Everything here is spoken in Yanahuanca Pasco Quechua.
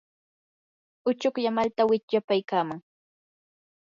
uchuklla malta wichyapaykaaman.